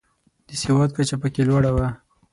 د سواد کچه پکې لوړه وه.